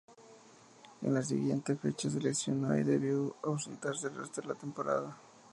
En la siguiente fecha se lesionó y debió ausentarse el resto de la temporada.